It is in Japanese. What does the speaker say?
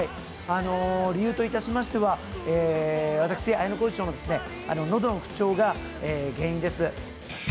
理由といたしましては、私、綾小路翔ののどの不調が原因です。